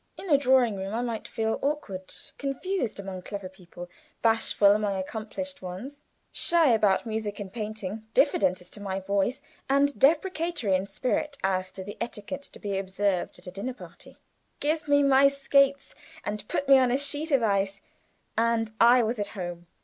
In a drawing room I might feel awkward confused among clever people, bashful among accomplished ones; shy about music and painting, diffident as to my voice, and deprecatory in spirit as to the etiquette to be observed at a dinner party. Give me my skates and put me on a sheet of ice, and I was at home.